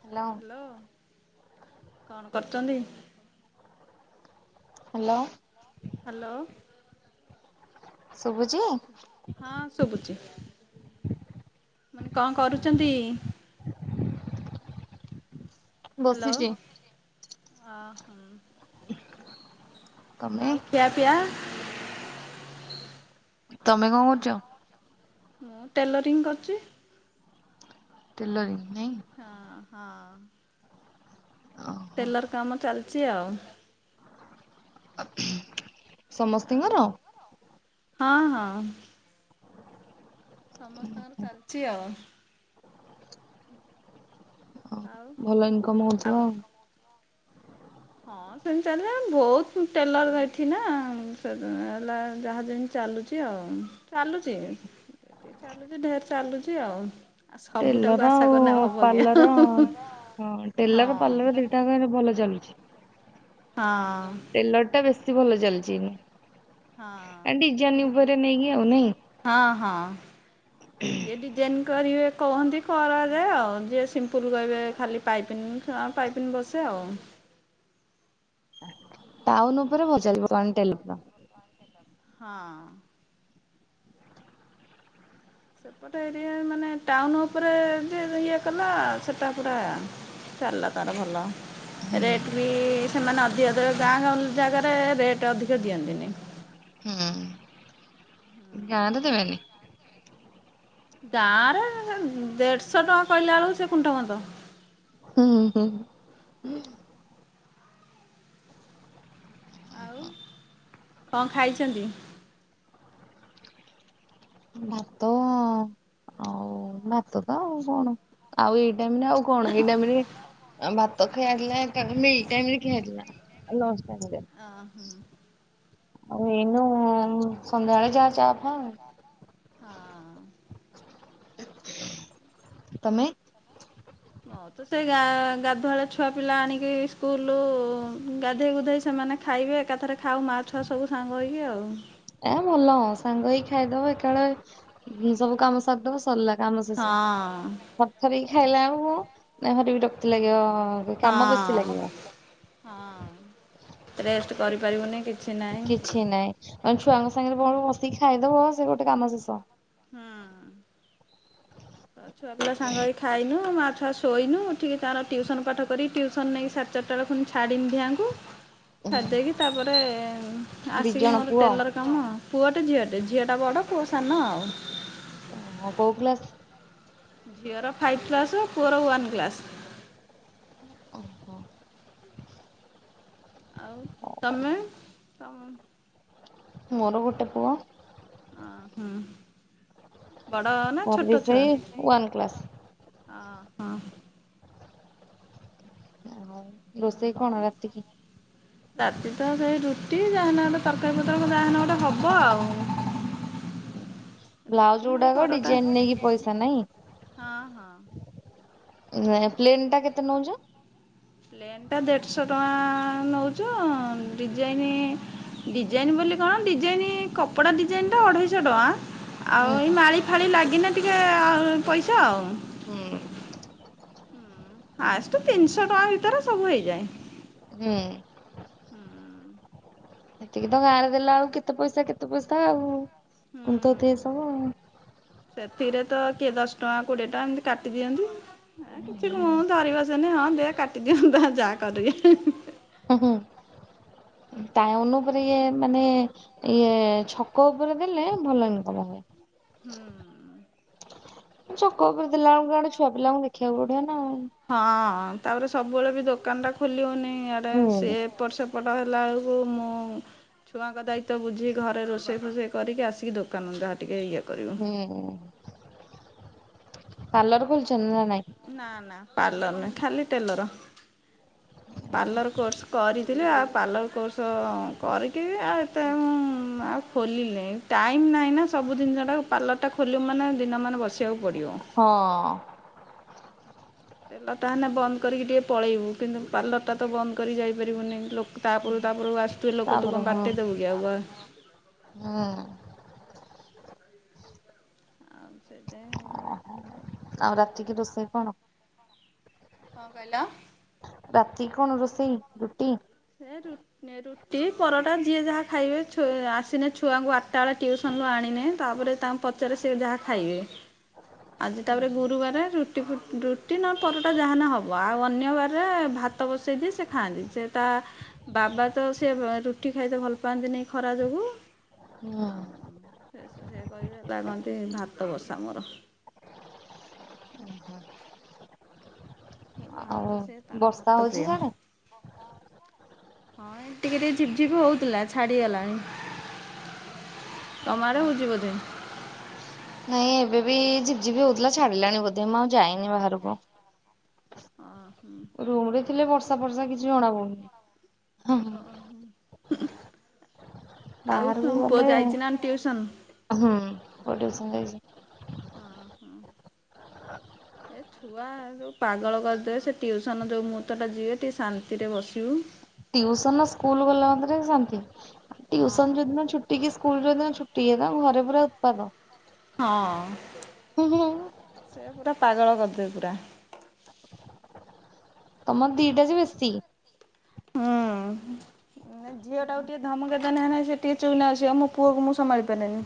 Hello. କଣ କରୁଛନ୍ତି? Hello hello. ଶୁଭୁଛି। ହଁ ଶୁଭୁଛି ମାନେ କଣ କରୁଛନ୍ତି? ହ୍ୟାଲୋ ବସିଛି। ଅ ହଁ। [inaudible] ଆଉ ଖିଆ ପିଆ? ତମେ କଣ କରୁଛ? ମୁଁ ଟେଲରିଂ କରୁଛି। ଟେଲରିଙ୍ଗ ନାଇଁ। ହଁ ହଁ। ଓହୋ। ଟେଲର କାମ ଚାଲିଛି ଆଉ। ଆଉ ସମସ୍ତଙ୍କର। ହଁ ହଁ। ସମସ୍ତଙ୍କର ଚାଲିଛି ଆଉ। ହଁ ଆଉ ଭଲ ଇନକମ୍ ହଉଥିବ ଆଉ। ହଁ ସେମ୍ ଚାଲେ ବହୁତ ଟେଲର ହେଇଛି ନା ହେଲା ଯାହା ଯେମିତି ଚାଲୁଛି। ଆଉ ଚାଲୁଛି ଏତି ଚାଲୁଛି ଢେର ଚାଲୁଛି ଆଉ। ଆ ଟେଲର ସବୁଟାକୁ ଆଶା ଆଉ କରିନା ହବ ପାର୍ଲର କି। ହଁ ଟେଲର ପାର୍ଲର ଦିଟାରେ ଭଲ ଚାଲୁଛି। ହଁ। ଟେଲର ଟା ବେଶୀ ଭଲ ଚାଲିଛି। ଆ ଡିଜାଇନ ହଁ ଉପରେ ନେଇକି ଆଉ ନାଇଁ? ହଁ ହଁ ଯଦି ଡିଯାଇନ୍ କରିବେ କହନ୍ତି କରାଯାଏ ଆଉ ଯିଏ ସିମ୍ପଲ୍ କହିବେ ଖାଲି ପାଇପିନି ଆ ପାଇପିନି ବସେ ଆଉ। ଟାଉନ ଉପରେ ମ ଚାଲିବ କଣଟେଲ ହଁ। ସେପଟେ ଏରିଆ ମାନେ ଟାଉନ ଉପରେ ଯେ ଇଏ କଲା ସେଇଟା ପୁରା ଚାଲିଲା ତାର ଭଲ। ହୁଁ ରେଟ୍ ବି ସେମାନେ ଅଧିକ ଗାଁ ଗାଁ ଜାଗାରେ ରେଟ୍ ଅଧିକ ଦିଅନ୍ତିନି। ହୁଁ ଗାଁରେ ଦେବେନି। ଗାଁ ରେ ଦେଢଶହ ଟଙ୍କା କହିଲା ବେଳକୁ ସେ କୁଣ୍ଠ ବଧ। ହୁଁ ହୁଁ। ହୁଁ। ଆଉ କଣ ଖାଇଛନ୍ତି? ଭାତ। ଆଉ ଭାତ ତ ଆଉ କଣ ଆଉ ଏଇ ଟାଇମ୍ ରେ ଆଉ କଣ ଏଇ ଟାଇମ୍ ରେ ଭାତ ଖିଆଥିଲା ତା ମିଲ୍ ଟାଇମ୍ ରେ ଖିଆଥିଲା ଲଞ୍ଚ ଟାଇରେ। ଓହୋ। ଆଉ ଏଇନୁ ସନ୍ଧ୍ୟାଳେ ଯା ଚା ଫା। ହଁ। ତମେ? ମୁଁ ତ ସେ ଗା ଗାଧୁଆଳୁ ଛୁଆ ପିଲା ଆଣିକି ସ୍କୁଲ ଗାଧେଇ ଗୁଧେଇ ସେମାନେ ଖାଇବେ ଏକାଥରେ ଖାଉ ମାଆ ଛୁଆ ସବୁ ସାଙ୍ଗ ହେଇକି ଆଉ। ଏ ଭଲ ସାଙ୍ଗ ହେଇକ ଖାଇଦବ ଏକାଳେ ସବୁ କାମ ସାରିଦବ ସରିଲା। ରାମଶେଷ ହଁ। ଥର ଥରିକି ଖାଇଲା ଆଉ ମୁଁ ନେହରି ବି ଲାଗିବ କାମ ବେଶୀ ହଁ। ଲାଗିବ। ହଁ ରେଷ୍ଟ କରିପାରିବୁନି କିଛି। ନାହିଁ। କିଛି ନାହିଁ ମେ ଛୁଆଙ୍କ ସାଙ୍ଗରେ କଣ ବସିକି ଖାଇଦବ ସେ ଗୋଟେ କାମ ଶେଷ। ହୁଁ ଛୁଆ ପିଲା ସାଙ୍ଗ ହେଇକି ଖାଇନୁ ମାଆ ଛୁଆ ଶୋଇନୁ। ଟିକେ ତାର ଟିଉସନ ପାଠ କରି ଟ୍ୟୁସନ ନେଇ ସାଢେ଼ ଚାରିଟା ବେଳେ ପୁଣି ଛାଡିଲି ଦିହାଙ୍କୁ। ଛାଡି ଦେଇକି ତାପରେ ଦି ଜଣ ଆସିକି ମୋର ପୁଅ ଟେଲର କାମ ପୁଅଟେ ଝିଅଟେ ଝିଅଟା ବଡ଼ ପୁଅ ସାନ ଆଉ। ଓହୋ କଉ କ୍ଲାସ୍? ଝିଅର ଫାଇଭ୍ କ୍ଲାସ୍ ପୁଅର ୱାନ୍ କ୍ଲାସ୍। ଓହୋ। ଆଉ ତମେ ତମ ମୋର ଗୋଟେ ପୁଅ। ଓ ହୁଁ। ବଡ଼ ନା ମୋର ଛୋଟ ବି ଛୁଆ? ସେଇ ୱାନ୍ କ୍ଲାସ। ଅ ହଁ। ଆଉ ରୋଷେଇ କଣ ହୁଁ। ରାତିକି? ରାତି ତ ସେଇ ରୁଟି ଯାହାହେନେ ଗୋଟେ ତରକାରୀ ପତ୍ର କଣ ଯାହାହେନେ ଗୋଟେ ହବ ଆଉ। ବ୍ଲାଉଜ୍ ରୁଟି ନହେଲେ ଗୁଡ଼ାକ ପରଟା ଡିଜାଇନ୍ ନେଇକି ପଇସା ନାଇଁ। ହଁ ହଁ। ଏ ପ୍ଲେନ୍ ଟା କେତେ ନେଉଚ? ପ୍ଲେନ୍ ଟା ଦେଢ଼ଶହ ଟଙ୍କା ନେଉଚୁ ଡିଜାଇନ୍ ଡିଜାଇନ୍ ବୋଲି କଣ ଡିଜାଇନ୍ କପଡ଼ା ଡିଜାଇନ୍ ତ ଅଢ଼େଇଶହ ଟଙ୍କା। ହୁଁ ଆଉ ଏଇ ମାଳି ଫାଳି ଲାଗନେ ଟିକେ ଆଉ ପଇସା ଆଉ।। ହୁଁ। ଫାଷ୍ଟେ ତିନିଶହ ଟଙ୍କା ଭିତରେ ସବୁ ହେଇଯାଏ। ହୁଁ। ହୁଁ। ଏତିକି ତ ଗାଁରେ ଦେଲା ବେଳକୁ କେତେ ପଇସା କେତେ ପଇସା ଆଉ କୁନ୍ଥୋଉ ଥିବେ ସବୁ ଆଉ। ସେତିକିରେ ତ କିଏ ଦଶ ଟଙ୍କା କୋଡ଼ିଏ ଟଙ୍କା ଏମିତି କାଟି ଦିଅନ୍ତି। ଅଁ କିଛି କୁହ ଧରିବସେନି ହଁ ଦେ କାଟିଦିଅ ତା ଯାହା କରିବେ ହୁ ହୁ। ହୁଁ ହୁଁ ଟାଉନ୍ ଉପରେ ଇଏ ମାନେ ଇଏ ଛକ ଉପରେ ଦେଲେ ଭଲ ଇନକମ୍ ହବ। ହୁଁ। ଛକ ଉପରେ ଦେଲା ବେଳକୁ ୟାଡ଼େ ଛୁଆ ପିଲାଙ୍କୁ ଦେଖିବାକୁ ପଡ଼ିବ ନା। ହଁ ତାପରେ ସବୁବେଳେ ବି ଦୋକାନ ଟା ଖୋଲି ହଉନି ଏଆଡ଼େ ସେ ହୁଁ। ଏପଟ ସେପ ପଟ ହେଲା ବେଳକୁ ମୁଁ ଛୁଆଙ୍କ ଦାୟିତ୍ୱ ବୁଝି ଘରେ ରୋଷେଇ ଫୋଷେଇ କରିକି ଆସିକି ଦୋକାନରୁ ଯାହା ଟିକେ ଇଏ କରିବୁ। ହୁଁ ପାର୍ଲର ଖୋଲିଚନ୍ତି ନା ନାଇଁ? ନା ନା ପାର୍ଲର ନାଇଁ ଖାଲି ଟେଲର। ପାର୍ଲର କୋର୍ସ କରିଥିଲି ଆଉ ପାର୍ଲର କୋର୍ସ କରିକି ବି ଆଉ ଏତେ ମୁଁ ଆଉ ଖୋଲିଲିନେଇ ଟାଇମ୍ ନାହିଁ ନା ସବୁ ଜିନିଷ ଟାକୁ ପାର୍ଲରଟା ଖୋଲିବୁ ମାନେ ଦିନ ମାନ ବସିବାକୁ ପଡ଼ିବ। ହଁ। ଟେଲରଟା ହେନେ ବନ୍ଦ କରିକି ଟିକେ ପଳେଇବୁ କିନ୍ତୁ ପାର୍ଲରଟା ତ ବନ୍ଦ କରି ଯାଇପାରିବୁନି ଲୋକ ତାପରକୁ ତାପରକୁ ଆସୁଥିବେ ଲୋକ ତୁ ତାପରେ କଣ ହୁଁ ବାଟେଇ ଦେବୁକି ଆଉ ବା ହୁଁ। ଆଉ ସେଇଥିପାଇଁ ଆଉ ରାତିକି ରୋଷେଇ କଣ? କଣ କହିଲ? ରାତିକୁ କଣ ରୋଷେଇ ରୁଟି? ସେ ରୁ ନେ ରୁ ଟି ପରଟା ଯିଏ ଯାହା ଖାଇବେ ଛୁ ଆସନେ ଛୁଆଙ୍କୁ ଆଠଟା ବେଳେ ଟିଉସନଲୁ ଆଣିନେ ତାପରେ ତା ପଚାରେ ସିଏ ଯାହା ଖାଇବେ ଆଜି ତାପରେ ଗୁରୁବାରେ ରୁଟି ଫୁ ରୁଟି ନ ପରଟା ଟା ଯାହାହେନେ ହେବ ଆଉ ଅନ୍ୟ ବାରରେ ଭାତ ବସେଇଦିଏ ସେ ଖାଆନ୍ତି ସେ ତା ବାବା ତ ସେ ରୁଟି ଖାଇତେ ଭଲ ପାଆନ୍ତିନି ଖରା ଯୋଗୁଁ। ହୁଁ। ଆଉ ସେ ସେ ସେ କହିବି ହେଲା କନ୍ତି ଭାତ ବସା ମୋର। ଉୁଁ ହୁଁ। ସେ ଭାତ ସେ ତାର ବର୍ଷା ଭାତ ହଉଛି ପ୍ରିୟ। ସିଆଡେ? ହଁ ଟିକେ ଟିକେ ଝିପ୍ ଝିପ୍ ହଉଥିଲା ଛାଡିଗଲାଣି। ତମଆଡ଼େ ହଉଚି ବୋଧେ? ନାଇଁ ଏବେ ବି ଝିପଝିପି ହୋଉଥିଲା ଛାଡିଲାଣି ବୋଧେ ମୁଁ ଆଉ ଯାଇନି ବାହାରକୁ। ଓ ହୁଁ ରୁମ ରେ ଥିଲେ ବର୍ଷା ଫର୍ଷା କିଛି ଜଣା ଓ ପଡୁନି। ଆଉ ବାହାରକୁ ତମ ପୁଅ ଗଲେ ଯାଇଛି ନା ଟିଉସନ? ହୁଁ ପୁଅ ଟିଉସନ ଯାଇଛି। ଅ ହଁ ଏ ଛୁଆ ଯେଉ ପାଗଳ କରିଦେବେ ସେ ଟିୁସନ୍ ଯେଉ ମୁହୂର୍ତ୍ତଟା ଯିବେ ଟିକି ଶାନ୍ତିରେ ବସିବୁ। ଟିଉସନ ସ୍କୁଲ ଗଲା ମାତ୍ରେକେ ଶାନ୍ତି ହଁ। ଟିଉସନ ଯୋଉଦିିନ ଛୁ ଟି କି ସ୍କୁଲ ଯୋଉଦିନ ଛୁଟି ହେଇଗଲା ଘରେ ପୁରା ଉତ୍ପାଦ। ହଁ ସେ ପୁରା ପାଗଳ କରିଦେବେ ପୁରା। ତମର ଦିଟା ଯେ ବେଶୀ। ହୁଁ ଏ ଝିଅଟାକୁ ଟିକେ ଧମକଦେନେ ହେନେ ସେ ଟିକେ ଚୁପକିନା ବସିବ ମୋ ପୁଅକୁ ମୁଁ ସମ୍ଭାଳି ପାରେନି।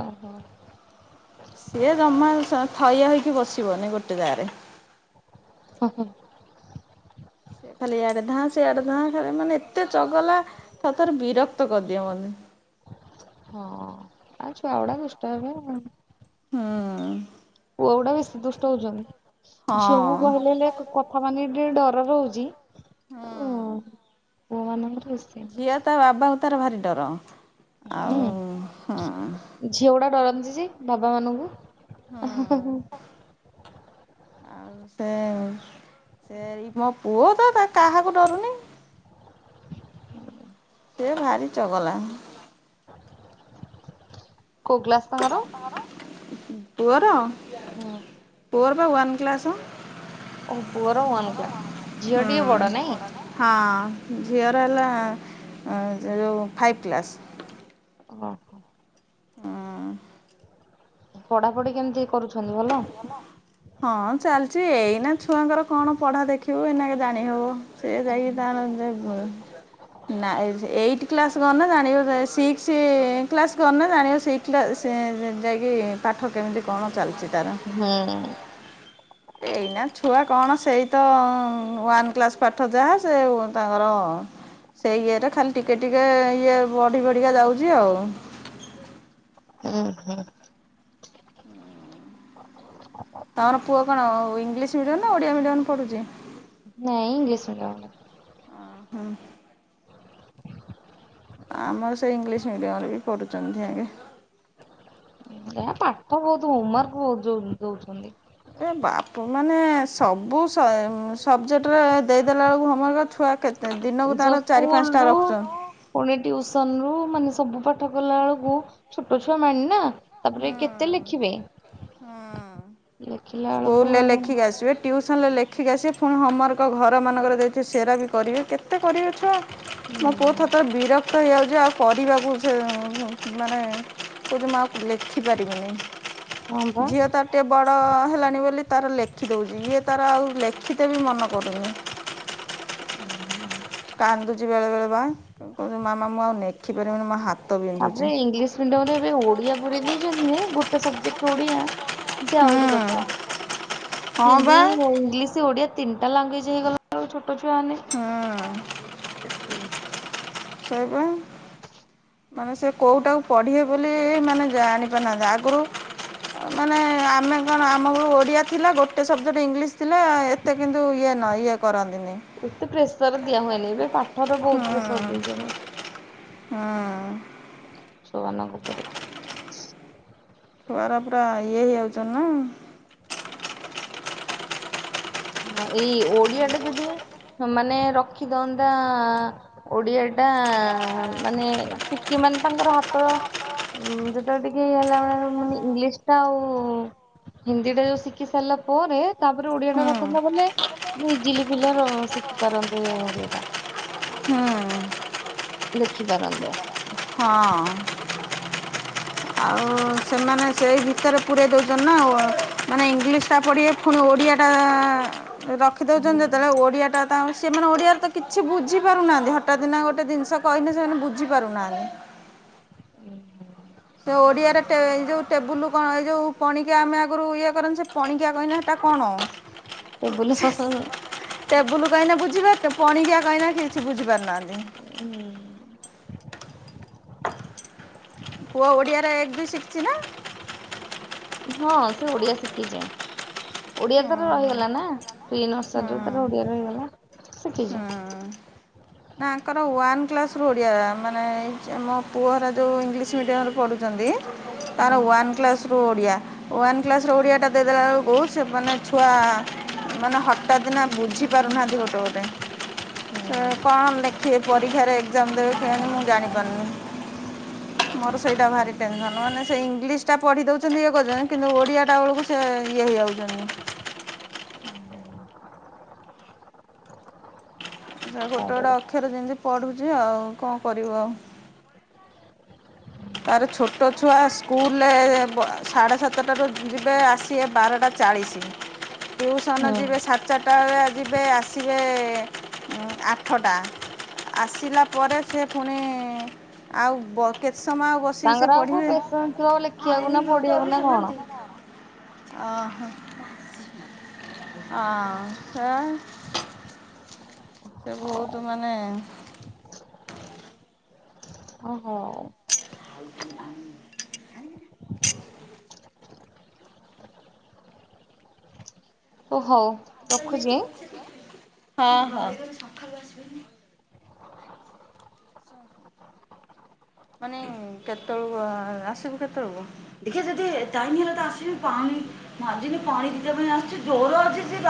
ଓହୋ ସିଏ ଜମା ସ ଥୟ ହୋଇକି ବସିବନି ଗୋଟେ ଯାଗାରେ। ଓ ହୋ ସେ ଖାଲି ଆଡେ ଧାଁ ସେଆଡେ ଧାଁ ଖା ମାନେ ଏତେ ଚଗଲା ଥରେ ଥରେ ବିରକ୍ତ କରିଦିଏ ମତେ। ହଁ ଆଉ ଛୁଆଗୁଡା ଦୁଷ୍ଟ ହେବେ ଆଉ କଣ କ ହଁ ପୁଆଗୁଡ଼ା ବେଶୀ ଦୁଷ୍ଟ ହଉଛନ୍ତି। ଝିଅଙ୍କୁ କହିଲେ ହଁ ହେଲେ କଥା ମାନି ଟିକେ ଡର ରହୁଚି। ହଁ ପୁଅ ମାନଙ୍କର ବେଶୀ ଝିଅ ତା ବାବାଙ୍କୁ ତାର ଭାରି ଡର। ହୁଁ ଆଉ ହଁ ଝିଅଗୁଟା ଡରନ୍ତି ଯେ ବାବା ମାନଙ୍କୁ। ଉଁ ହୁଁ ହୁଁ ହଁ ଆଉ ସେ ସେଇ ମୋ ପୁଅ ତ ତା କାହାକୁ ଡରୁନି। ସେ ଭାରି ଚଗଲା। କୋଉ କ୍ଲାସ ତାଙ୍କର ର ପୁଅର? ହୁଁ ପୁଅର ୱାନ କ୍ଲାସ ଓ ପୁଅର ୱାନ୍ କ୍ଲାସ ଝିଅ ହୁଁ। ଟିକେ ବଡ ନାଇଁ? ହଁ ଝିଅର ହେଲା ଆଁ ଏ ଯୋଉ ଫାଇଭ୍ କ୍ଲାସ୍। ହଁ ହୋ ହଁ ପଢାପଢି କେମିତି କରୁଛନ୍ତି ଭଲ? ହଁ ଚାଲିଛି ଏଇନା ଛୁଆଙ୍କର କଣ ପଢା ଦେଖିବୁ ଏନାକେ ଜାଣି ହବ ସେ ଯାଇକି ତାଙ୍କର ଜାଇ ବ [unintelligible] ନାଇ ଏଇଟ କ୍ଲାସ କରିନେ ଜାଣିବ ଜାଇ ସିକ୍ସ କ୍ଲାସ କରିନେ ଜାଣିବ ସି ସେ ଯାଇକି ପାଠ କେମିତି କଣ ଚାଲିଛି ତାର ହୁଁ ଏଇନା ଛୁଆ କଣ ସେଇ ତ ୱାନ କ୍ଲାସ ପାଠ ଯାହା ସେ ତାଙ୍କର ସେଇ ଇଏରେ ଖାଲି ଟିକେ ଟିକେ ଇଏ ବଢି ବଢିକା ଯାଉଛି ଆଉ। ହୁଁ ହୁଁ ତମର ପୁଅ କଣ ଇଂଲିଶ ମିଡିୟମ ନା ଓଡିଆ ମିଡିୟମରେ ପଢୁଛି? ନାଇଁ ଇଂଲିଶ ମିଡିୟମରେ। ଓ ହୋ। ଆମର ସେ ଇଂଲିଶ ମିଡିୟମ ରେ ବି ପଢୁଛନ୍ତି ତାଙ୍କେ। ଏ ଆ ପାଠ ବହୁତ ହୋମୱାର୍କ ବହୁତ ଦଉ ଦଉଛନ୍ତି। ଏ ବାପୁ ମାନେ ସବୁ ସ ଏ ସବଜେକ୍ଟରେ ଦେଇଦେଲାବେଳକୁ ହୋମୱାର୍କ ଛୁଆ କେ ଦିନକୁ ସ ତାର ଚାରି, ସ୍କୁଲ ପାଞ୍ଚଟା ରୁ ରଖୁଛନ୍ତି। ପୁଣି ଟିଉସନ ରୁ ମାନେ ସବୁ ପାଠ କଲା ବେଳକୁ ଛୋଟ ଛୁଆ ମାଇଁଣ୍ଡ ନା ହୁଁ ତାପରେ କେତେ ଲେଖିବେ ହୁଁ ଲେଖିଲା ବେଳକୁ ସ୍କୁଲରେ ଆଡେ ଲେଖିକି ଆସିବେ। ଟ୍ୟୁସନରେ ଲେଖିକି ଆସିବେ ପୁଣି ହୋମୱାର୍କ ଘରମାନଙ୍କର ଦେଇଥିବେ ସେରା ବି କରିବେ କେତେ କରିବେ ଛୁଆ। ହୁଁ ମୋ ପୁଅ ଥତରେ ବୋ ବିରକ୍ତ ହେଇଯାଉଛି ଆଉ କରିବାକୁ ସେ ମାନେ କଉଚି ମୁ ଲେଖିପାରିବିନି ହଁ ବା ଝିଅ ତ ଏତେ ବଡ଼ ହେଲାଣି ବୋଲି ତାର ଲେଖିଦଉଛି ଇଏ ତାର ଆଉ ଲେଖିତେ ବି ମନ କରୁନି। ହୁ। କାନ୍ଦୁଛି ବେଳେ ବଳେ ବା କ ମାମା ମୁଁ ଆଉ ଲେଖି ପାରିବିନି ମୋ ହାତ ବିନ୍ଧୁଛି। ତାପରେ ଇଂଲିଶ ମିଡିୟମ ରେ ଏବେ ଓଡିଆ ପୁରେ ଦେଇଛନ୍ତି ଯେ ଗୋଟେ ସବଜେକ୍ଟ ଓଡିଆ ସେ ଆହୁରି କଷ୍ଟ ହୁଁ ହଁ ହିନ୍ଦୀ, ବା ଇଂଲିଶ, ଓଡିଆ ତିନିଟା ଲାଗୁଏଜ ହେଇଗଲା ଛୋଟ ଛୁଆ ହେମାନେ ହୁ ହ [unintelligible] ସେ ଇ ପା ମାନେ ସେ କୋଉଟାକୁ ପଢିବେ ବୋଲି ମାନେ ଜାଣି ପାରୁନାହାନ୍ତି ଆଗରୁ ଅ ମାନେ ଆମେ କଣ ଆମ ଗୁ ଓଡ଼ିଆ ଥିଲା ଗୋଟେ ସବଜେକ୍ଟ ଇଂଲିଶ ଥିଲା ଏ ମତେ କିନ୍ତୁ ଇଏ ନାହିଁ ଇଏ କରନ୍ତିନି। ଏତେ ପ୍ରେସର ଦିଆ ହୁଏନି ଏବେ ପାଠର ବହୁତ ପ୍ରେସର ଦଉଛନ୍ତି। ହଁ। ଛୁଆମାନଙ୍କ ଉପରେ ଛୁଆର ପୁରା ଇଏ ହେଇଯାଉଚ ନା ହ ଏଇ ଓଡିଆ ଟା ଯଦି ହ ମାନେ ରଖି ଦନ୍ତା ଓଡିଆ ଟା ମାନେ ଶିକି ମାନେ ତାଙ୍କର ହାତ ଉ ଯେତେବେଳେ ଟିକେଇଲା ମ ମାନେ ଇଂଲିଶ ଟା ଆଉ ହିନ୍ଦୀ ଟା ଯୋଉ ଶିଖି ସାରିଲା ପରେ ତାପରେ ଓଡିଆ ଟା ର କୁମା ହୁଁ ବଲେ ଇଜିଲି ପିଲା ର ଶିଖି ପାରନ୍ତି ଓଡିଆ ଟା। ହୁଁ। ଦେଖିପାରନ୍ତେ। ହଁ ଆଉ ସେମାନେ ସ ସେଇ ବିଷୟରେ ପୁରେଇ ଦେଉଛନ୍ତି ନା ମାନେ ଇଂଲିଶଟା ପଡ଼ିିବେ ପୁଣି ଓଡ଼ିଆଟା ହୁଁ। ରଖିଦଉଛନ୍ତି ଯେତେବେଳେ ଓଡିଆ ଟା ତା ସେମାନେ ଓଡ଼ିଆରେ ତ କିଛି ବୁଝିପାରୁନାହାନ୍ତି ହଠାତ୍ ନା ଗୋଟେ ଜିନିଷ କହିଲେ ସେମାନେ ବୁଝିପାରୁନାହାଁନ୍ତି। ହୁଁ ହ [inaudible] ସେ ଓଡିଆରେ ଟେ ଯୋଉ ଟେବୁଲ କ ଏ ଯୋଉ ପଣିକି ଆମେ ଆଗରୁ ଇଏ କରନୁ ସେ ପଣିକିଆ କହିନେ ହେଟା କଣ? ସେ ବୁଲପ [unintelligible] ଟେବୁଲ କହିଁନେ ବୁଝିପାରେ ପଣଣିିକିଆ କହିଁନେ କିଛି ବୁଝି ପାରୁନାହାନ୍ତି। ହୁଁ। ପୁଅ ଓଡିଆରେ ଏକ ଦୁଇ ଶିଖିଛି ନା? ହଁ ସେ ଓଡିଆ ଶିଖିଛି ଓଡିଆ ତାର ରହିଗଲା ନା ତିନି ବର୍ଷ ଯୋଉ ତର ଓଡିଆ ରହିଗଲା। ଶିଖିଛି। ହୁ ନାଆଙ୍କର ୱାନ୍ କ୍ଲାସ ରୁ ଓଡ଼ିଆ ମାନେ ମୋ ପୁଅରା ଯେଉଁ ଇଂଲିଶ ମିଡ଼ିୟମରେ ପଢ଼ୁଛନ୍ତି। ହୁଁ। ତାର ୱନ୍ କ୍ଲାସ ରୁ ଓଡ଼ିଆ ୱାନ୍ କ୍ଲାସ ରେ ଓଡ଼ିଆଟା ଦେଇଦେଲା ବେଳକୁ ସେ ମାନେ ଛୁଆ ମାନେ ହଠାତ୍ନା ବୁଝି ପାରୁନାହାନ୍ତି ଗୋଟେ ଗୋଟେ ହଁ। କଣ ଲେଖିବ ପରୀକ୍ଷାରେ ମୁ ଜାଣିପାରୁନି ମୋର ସେଇଟା ଭାରି ଟସ ମାନେ ଇଂ [unintelligible] ସେଟା ପଢି ଦଉଛନ୍ତି ଇଏ କରୁଛନ୍ତି କିନ୍ତୁ ଓଡ଼ିଆଟା ବେଳକୁ ସେ ଇଏ ହେଇଯାଉଛନ୍ତି। ଗୋଟେ ଗୋଟେ ହଉ ଅକ୍ଷରେ ଯେମିତି ପଢ଼ୁଛି ଆଉ କଣ କରିବୁ ଆଉ। ତାର ଛୋଟ ଛୁଆ ସ୍କୁଲରେ ସାଢ଼େ ସାତଟାରୁ ଯିବେ ଆସିବେ ବାରଟା ଚାଳିଶ। ଟ୍ୟୁସନ ହୁଁ ଯିବେ ସାତ ଚାରିଟା ବେଆ ଯିବେ ଆସିବେ ଆଠଟା ଆସିଲା ପରେ ସେ ପୁଣି ଆଉ କେତେ ସମୟ ବସିକି ସେ ତାଙ୍କର ଆଉ କୋଉ ପଢିବେ ପେସେନ୍ସ ଥିବ ଲେଖିବାକୁ ନା ପଢିବାକୁ ନା କଣ। ଓ ହ। ସେ ବହୁତ ହଉ ମାନେ ଓହୋ। ଆଉ। ଓ ହଉ। ରଖୁଛି। ହଁ ହଁ। ମାନେ କେତେବେଳକୁ ଆସିବୁ କେତେବେଳକୁ। ଦେଖିବା ଯଦି ଟାଇମ ହେଲା ତ ଆସିବି ପାଣି ମିନ ପାଣି ଦଦ ପାଇଁ ଆସଛି ଜଵର ଅଛି